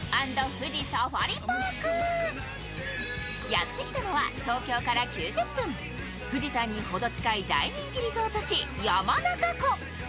やって来たのは東京から９０分、富士山にほど近い大人気リゾート地・山中湖。